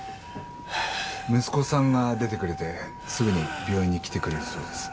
息子さんが出てくれてすぐに病院に来てくれるそうです。